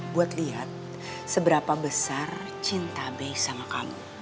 buat lihat seberapa besar cinta baik sama kamu